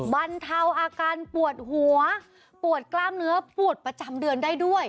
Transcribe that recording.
บรรเทาอาการปวดหัวปวดกล้ามเนื้อปวดประจำเดือนได้ด้วย